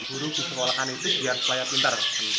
burung disekolahkan itu biar selaya pintar